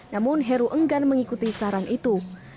namun heru enggan mengikuti saran itu